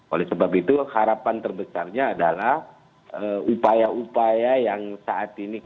oleh sebab itu harapan terbesarnya adalah upaya upaya yang saat ini